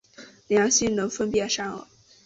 良心能分辨善恶。